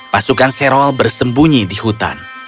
pasukan serol bersembunyi di hutan